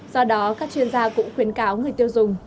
do đó các chuyên gia cũng khuyến cáo người tiêu dùng